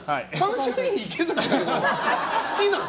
好きなの？